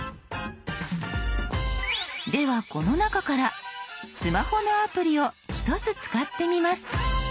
ではこの中からスマホのアプリを１つ使ってみます。